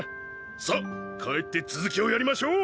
さあ帰って続きをやりましょう！